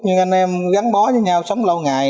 nhưng anh em gắn bó với nhau sống lâu ngày